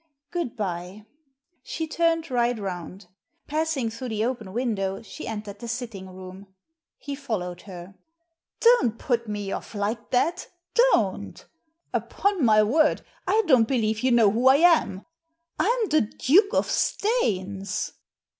Good bye." She turned right round. Passing through the open window, she entered the sitting room. He followed her. "Don't put me off like that — don't Upon my word, I don't believe you know who I am — I'm the Duke of Staines."